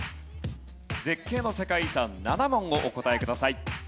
絶景の世界遺産７問をお答えください。